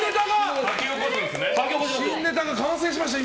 新ネタが完成しました！